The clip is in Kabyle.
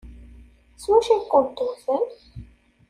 S wacu ay kent-wten?